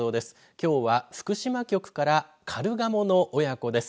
きょうは、福島局からカルガモの親子です。